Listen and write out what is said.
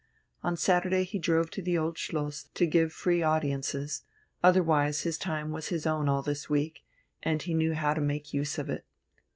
On Saturday he drove to the Old Schloss to give free audiences: otherwise his time was his own all this week, and he knew how to make use of it.